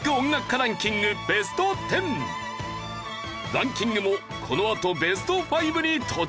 ランキングもこのあとベスト５に突入！